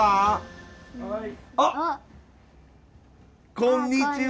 こんにちは。